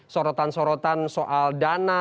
sorotan sorotan soal dana